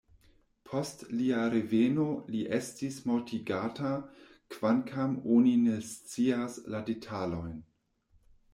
Post lia reveno li estis mortigata, kvankam oni ne scias la detalojn.